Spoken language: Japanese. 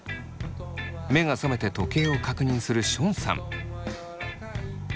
目が覚めて時計を確認するションさん。